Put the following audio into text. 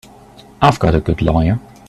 I've got a good lawyer.